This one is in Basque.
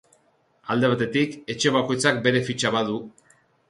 Alde batetik, etxe bakoitzak bere fitxa badu.